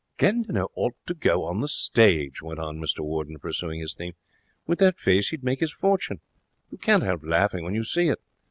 'Gandinot ought to go on the stage,' went on Mr Warden, pursuing his theme. 'With that face he would make his fortune. You can't help laughing when you see it.